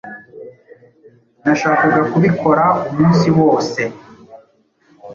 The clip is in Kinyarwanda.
Nashakaga kubikora umunsi wose.